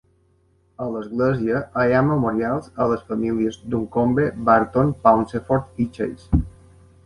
A l"església hi ha memorials a les famílies Duncombe, Barton, Pauncefort i Chase.